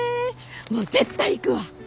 もう絶対行くわ。